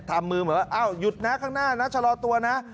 ทำมือเหมือนว่าอ้าวหยุดนะข้างหน้านะชะลอตัวนะ